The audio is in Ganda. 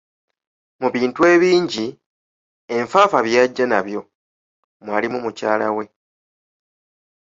Mu bintu ebingi, enfaafa bye yajja nabyo, mwalimu mukyala we.